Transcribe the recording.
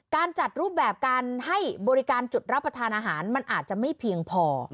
การจัดรูปแบบการให้บริการจุดรับประทานอาหารมันอาจจะไม่เพียงพอ